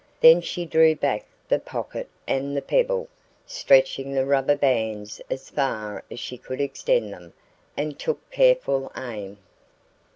Then she drew back the pocket and the pebble, stretching the rubber bands as far as she could extend them, and took careful aim.